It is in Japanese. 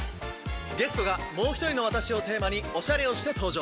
ゲストが「もうひとりのワタシ」をテーマにおしゃれをして登場！